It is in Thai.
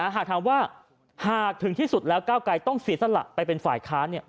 หากถามว่าหากถึงที่สุดแล้วก้าวไกรต้องเสียสละไปเป็นฝ่ายค้าน